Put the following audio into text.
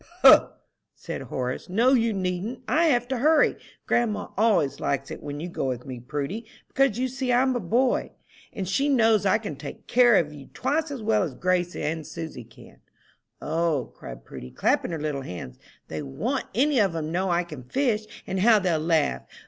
"Poh!" said Horace, "no you needn't; I have to hurry. Grandma always likes it when you go with me, Prudy, because you see I'm a boy, and she knows I can take care of you twice as well as Grace and Susy can." "O," cried Prudy, clapping her little hands, "they won't any of 'em know I can fish, and how they'll laugh.